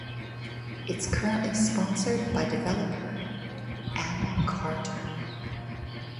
It is currently sponsored by developer Almacantar.